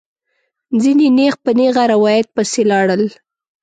ځینې نېغ په نېغه روایت پسې لاړل.